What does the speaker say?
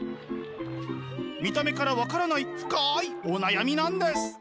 見た目から分からない深いお悩みなんです。